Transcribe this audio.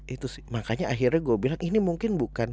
itu sih makanya akhirnya gue bilang ini mungkin bukan